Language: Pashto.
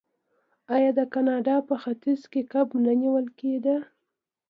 آیا د کاناډا په ختیځ کې کب نه نیول کیدل؟